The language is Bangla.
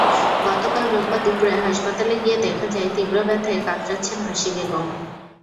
গতকাল রোববার দুপুরে হাসপাতালে গিয়ে দেখা যায়, তীব্র ব্যথায় কাতরাচ্ছেন হাসি বেগম।